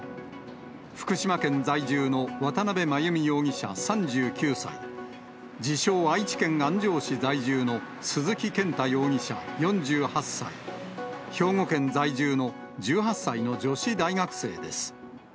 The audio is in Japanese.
福島県在住の渡邉真由美容疑者３９歳、自称、愛知県安城市在住の鈴木健太容疑者４８歳、兵庫県在住の１８歳の女子大学生です。